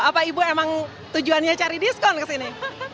apa ibu emang tujuannya cari diskon ke sini